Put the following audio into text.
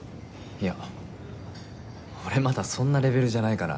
いや俺まだそんなレベルじゃないから。